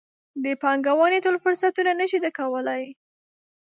د پانګونې ټول فرصتونه نه شي ډکولی.